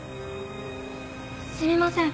すみません！